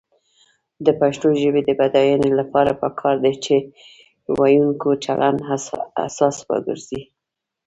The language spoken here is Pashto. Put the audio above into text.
د پښتو ژبې د بډاینې لپاره پکار ده چې ویونکو چلند اساس وګرځي.